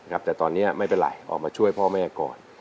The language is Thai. แต่ตอนนี้ไม่เป็นไรออกมาช่วยพ่อแม่ก่อน